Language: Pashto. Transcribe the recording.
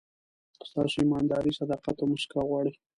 ستاسو ایمانداري، صداقت او موسکا غواړي.